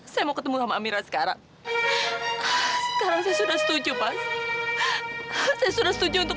saya mau ketemu sama amira sekarang sekarang saya sudah setuju pak saya sudah setuju untuk